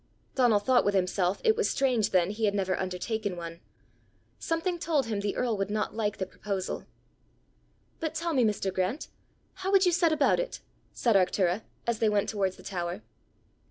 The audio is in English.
Donal thought with himself it was strange then he had never undertaken one. Something told him the earl would not like the proposal. "But tell me, Mr. Grant how would you set about it?" said Arctura, as they went towards the tower.